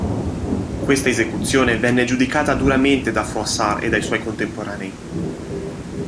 Questa esecuzione venne giudicata duramente da Froissart e dai suoi contemporanei.